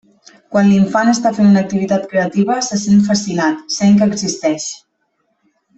Quan l’infant està fent una activitat creativa se sent fascinat, sent que existeix.